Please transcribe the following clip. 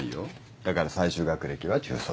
だから最終学歴は中卒。